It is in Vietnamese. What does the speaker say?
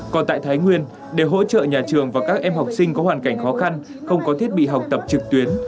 còn tại thái nguyên để hỗ trợ nhà trường và các em học sinh có hoàn cảnh khó khăn không có thiết bị học tập trực tuyến